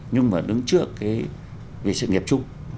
nhưng mà đứng trước về sự nghiệp chung